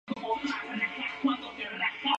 Su Historia comienza desde el período prehispánico.